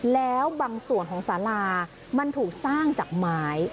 แล้วบางส่วนของสารามันถูกสร้างจากไม้